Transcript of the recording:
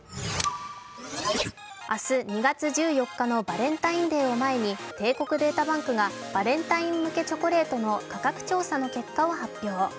明日２月１４日のバレンタインデーを前に帝国データバンクがバレンタイン向けチョコレートの価格調査の結果を発表。